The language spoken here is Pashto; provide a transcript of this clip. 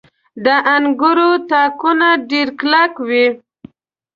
• د انګورو تاکونه ډېر کلک وي.